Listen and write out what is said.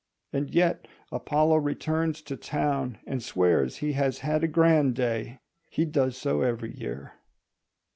And yet Apollo returns to town and swears he has had a grand day. He does so every year.